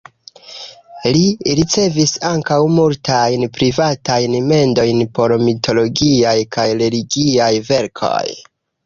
Li ricevis ankaŭ multajn privatajn mendojn por mitologiaj kaj religiaj verkoj.